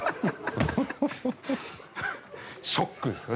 ショックですよ。